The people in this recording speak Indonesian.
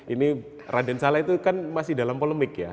ini raden salah itu kan masih dalam polemik ya